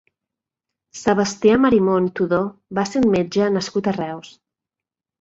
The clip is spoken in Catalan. Sebastià Marimon Tudó va ser un metge nascut a Reus.